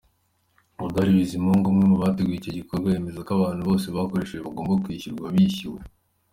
Hodali Bizimungu, umwe mubateguye icyo gikorwa, yemeza ko abantu bose bakoreshejwe bagombaga kwishyurwa, bishyuwe.